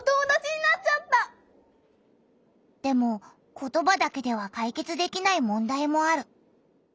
でも言葉だけではかいけつできない問題もある。